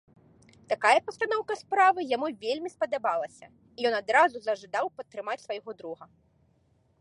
Такая пастаноўка справы яму вельмі спадабалася, і ён адразу зажадаў падтрымаць свайго друга.